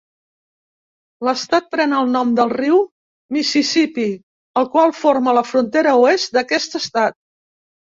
L'estat pren el nom del riu Mississipí, el qual forma la frontera oest d'aquest estat.